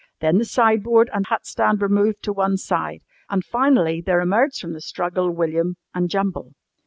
Then the sideboard and hat stand were moved to one side, and finally there emerged from the struggle William and Jumble.